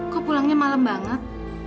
kok pulangnya malem banget